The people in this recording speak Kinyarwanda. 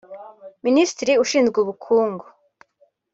Minisitiri ushinzwe Ubukungu